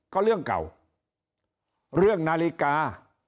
ก็เรื่องเก่าเรื่องนาฬิกา